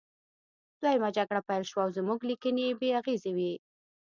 دویمه جګړه پیل شوه او زموږ لیکنې بې اغیزې وې